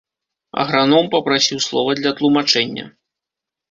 Аграном папрасіў слова для тлумачэння.